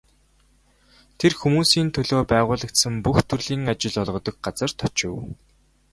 Тэр хүмүүсийн төлөө байгуулагдсан бүх төрлийн ажил олгодог газарт очив.